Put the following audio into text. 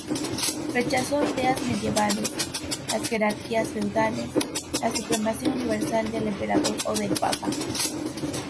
Rechazó ideas medievales: las jerarquías feudales, la supremacía universal del emperador o del papa.